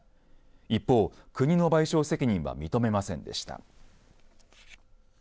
一方、国の賠償責任は認めませんでした。